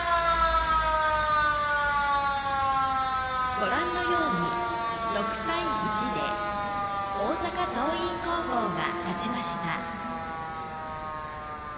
ご覧のように６対１で大阪桐蔭高校が勝ちました。